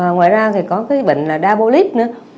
ngoài ra thì có cái bệnh là đa bô líp nữa